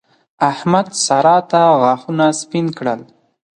احمد؛ سارا ته غاښونه سپين کړل.